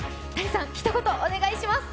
Ｔａｎｉさん、ひと言お願いします。